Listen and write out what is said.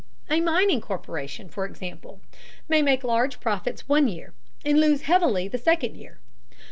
A mining corporation, for example, may make large profits one year, and lose heavily the second year.